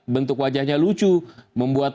bentuk wajahnya lucu membuat